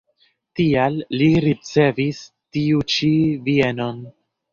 Tial li ricevis tiu ĉi bienon.